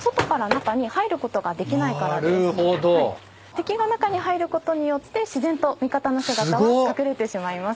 敵が中に入ることによって自然と味方の姿が隠れてしまいます。